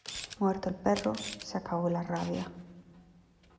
Muerto el perro se acabó la rabia.